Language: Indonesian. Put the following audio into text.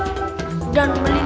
dan melindungi masyarakat